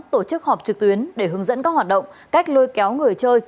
tổ chức họp trực tuyến để hướng dẫn các hoạt động cách lôi kéo người chơi